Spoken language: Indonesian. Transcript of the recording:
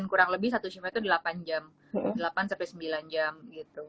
kurang lebih satu shima itu delapan jam delapan sampai sembilan jam gitu